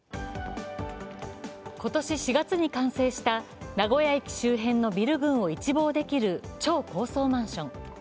今年４月に完成した名古屋駅周辺のビル群を一望できる超高層マンション。